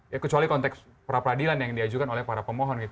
ya kecuali konteks pra peradilan yang diajukan oleh para pemohon gitu